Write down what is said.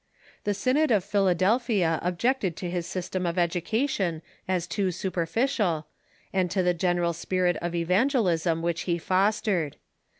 Tlie Synod of Philadelphia objected to his sys tem of education as too superficial, and to the general s})irit of Evangelism which he fostered.